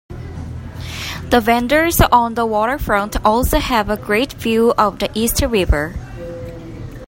The vendors on the waterfront also have a great view of the East River.